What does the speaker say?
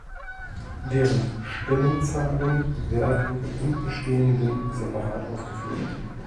Deren Stimmenzahlen werden untenstehenden separat aufgeführt.